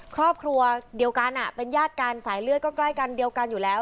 ครอบครัวเดียวกันเป็นญาติกันสายเลือดก็ใกล้กันเดียวกันอยู่แล้ว